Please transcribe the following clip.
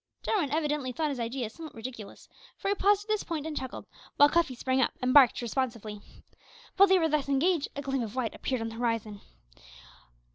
Jarwin evidently thought his ideas somewhat ridiculous, for he paused at this point and chuckled, while Cuffy sprang up and barked responsively. While they were thus engaged, a gleam of white appeared on the horizon.